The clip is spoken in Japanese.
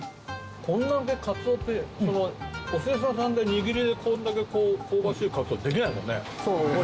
これだけカツオってお寿司屋さんで握りでこれだけ香ばしいカツオできないもんね。